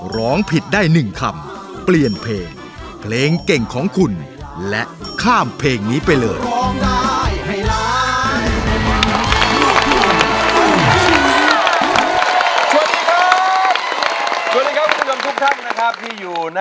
ร้องผิดได้๑คำเปลี่ยนเพลงเพลงเก่งของคุณและข้ามเพลงนี้ไปเลย